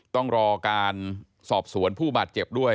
ต้องรอการสอบสวนผู้บาดเจ็บด้วย